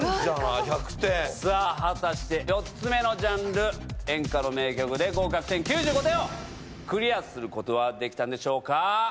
さぁ果たして４つ目のジャンル「演歌」の名曲で合格点９５点をクリアすることはできたんでしょうか。